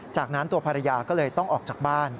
จากนั้นตัวภรรยาก็เลยต้องออกจากบ้าน